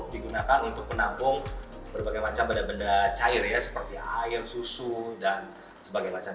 digunakan untuk menampung berbagai macam benda benda cair ya seperti air susu dan sebagainya